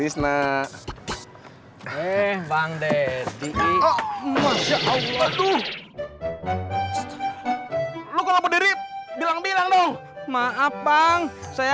sampai jumpa di video selanjutnya